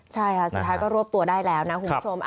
ใช่ค่ะสุดท้ายก็รวบตัวได้แล้วนะคุณผู้ชม